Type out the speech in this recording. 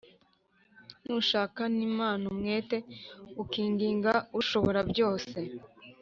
nushakana imana umwete, ukinginga ishoborabyose,